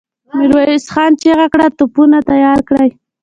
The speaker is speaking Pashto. ميرويس خان چيغه کړه! توپونه تيار کړئ!